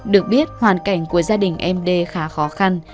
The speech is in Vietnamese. được biết hoàn cảnh của gia đình em đê khá khó khăn